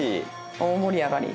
大盛り上がり。